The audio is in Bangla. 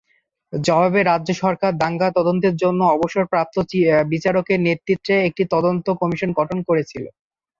জবাবে, রাজ্য সরকার দাঙ্গা তদন্তের জন্য অবসরপ্রাপ্ত বিচারকের নেতৃত্বে একটি তদন্ত কমিশন গঠন করেছিল।